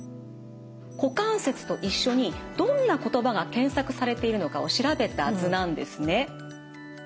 「股関節」と一緒にどんな言葉が検索されているのかを調べた図なんですね。